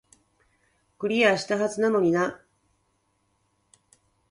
クリアしたはずなのになー